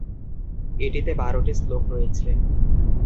এটিতে বারোটি শ্লোক রয়েছে।